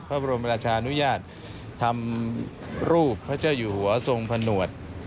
พระบรมราชานุญาตทำรูปพระเจ้าอยู่หัวทรงผนวด